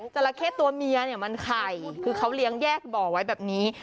จราเข้ตัวเมียเนี่ยมันไข่คือเขาเลี้ยงแยกบ่อไว้แบบนี้